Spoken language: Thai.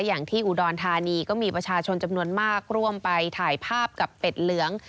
อย่างที่อุดรธานีก็มีประชาชนจำนวนมากร่วมไปถ่ายภาพกับเป็ดเหลือง